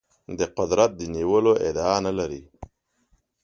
د قدرت د نیولو ادعا نه لري.